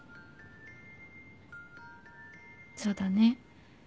そうだね。